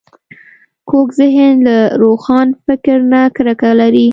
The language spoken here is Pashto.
کوږ ذهن له روښان فکر نه کرکه لري